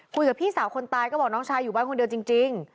พี่สาวคนตายก็บอกน้องชายอยู่บ้านคนเดียวจริง